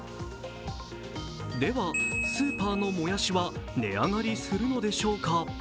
ではスーパーのもやしは値上がりするのでしょうか。